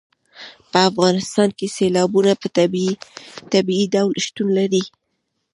په افغانستان کې سیلابونه په طبیعي ډول شتون لري.